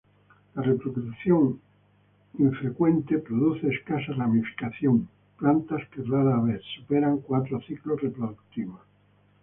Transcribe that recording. La reproducción infrecuente produce escasa ramificación, plantas que rara vez superan cuatro ciclos reproductivos.